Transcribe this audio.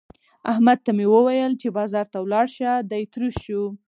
احمد ته مې وويل چې بازار ته ولاړ شه؛ دی تروش شو.